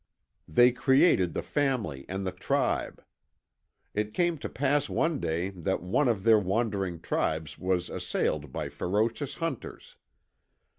They created the family and the tribe. It came to pass one day that one of their wandering tribes was assailed by ferocious hunters.